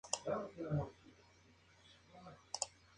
Está basada en el manhwa del mismo nombre, escrito por Won Soo Yeon.